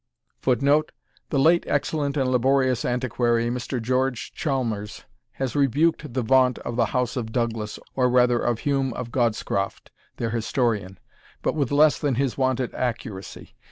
[Footnote: The late excellent and laborious antiquary, Mr. George Chalmers, has rebuked the vaunt of the House of Douglas, or rather of Hume of Godscroft, their historian, but with less than his wonted accuracy.